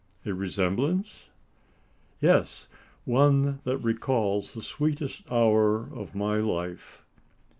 "A resemblance?" "Yes! one that recalls the sweetest hour of my life."